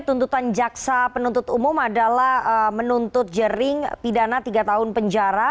tuntutan jaksa penuntut umum adalah menuntut jering pidana tiga tahun penjara